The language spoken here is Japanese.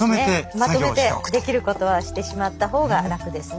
まとめてできることはしてしまった方が楽ですね。